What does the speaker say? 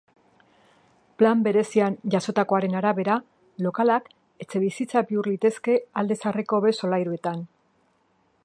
Plan berezian jasotakoaren arabera lokalak etxebizitza bihur litezke alde zaharreko behe solairuetan.